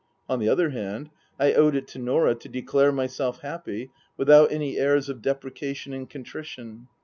On the other hand, I owed it to Norah to declare myself happy without any airs of deprecation and contrition.